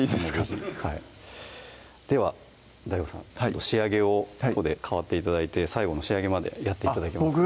是非はいではＤＡＩＧＯさん仕上げをここで代わって頂いて最後の仕上げまでやって頂けますか？